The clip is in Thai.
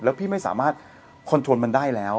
แล้วพี่ไม่สามารถคอนโทรลมันได้แล้ว